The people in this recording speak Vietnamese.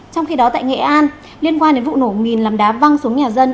trong khi đó tại nghệ an liên quan đến vụ nổ mìn làm đá văng xuống nhà dân